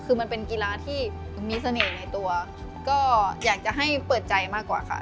คือมันเป็นกีฬาที่มีเสน่ห์ในตัวก็อยากจะให้เปิดใจมากกว่าค่ะ